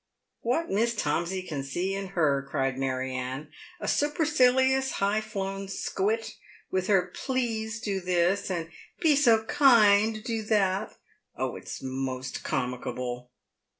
" What Miss Tomsey can see in her," cried Mary Anne, " a super cilious highflown squit, with her 'please do this,' and ' be so kind do that' — oh, it's most comicable."